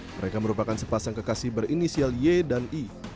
mereka merupakan sepasang kekasih berinisial y dan i